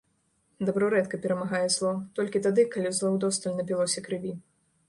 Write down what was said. Дабро рэдка перамагае зло, толькі тады, калі зло ўдосталь напілося крыві.